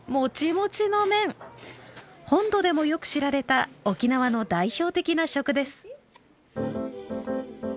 本土でもよく知られた沖縄の代表的な食です。